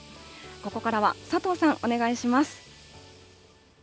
ここからは佐藤さん、お願いします。